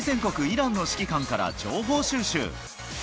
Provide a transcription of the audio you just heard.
イランの指揮官から情報収集。